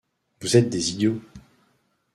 Vous êtes des idiots.